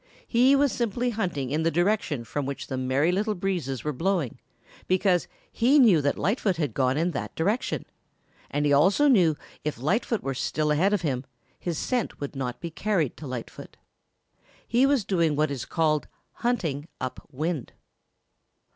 He was simply hunting in the direction from which the Merry Little Breezes were blowing because he knew that Lightfoot had gone in that direction, and he also knew that if Lightfoot were still ahead of him, his scent could not be carried to Lightfoot. He was doing what is called "hunting up wind."